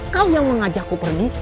kau yang mengajakku pergi